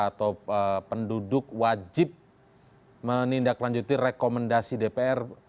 atau penduduk wajib menindaklanjuti rekomendasi dpr